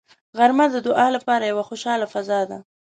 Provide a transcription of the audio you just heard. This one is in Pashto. غرمه د دعا لپاره یوه خوشاله فضا ده